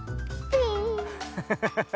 ハハハハ。